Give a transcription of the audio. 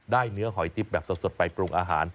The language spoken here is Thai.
เนื้อหอยติ๊บแบบสดไปปรุงอาหาร